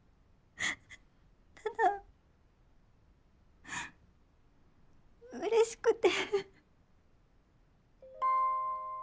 ただうれしくて。